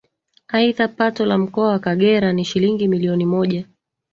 Aidha Pato la Mkoa wa Kagera ni Shilingi milioni moja